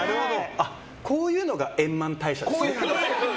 こういうのが円満退社ですね。